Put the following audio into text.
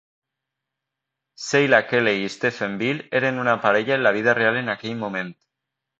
Sheila Kelley i Stephen Bill eren una parella en la vida real en aquell moment.